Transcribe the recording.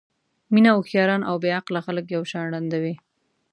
مینه هوښیاران او بې عقله خلک یو شان ړندوي.